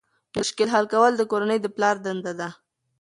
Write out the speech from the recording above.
مشکل حل کول د کورنۍ د پلار دنده ده.